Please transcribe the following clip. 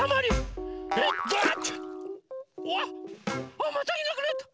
あっまたいなくなった！